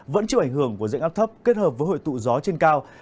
vẫn chịu ảnh hưởng của dạnh áp thấp kết hợp với hội tụ gió trên cao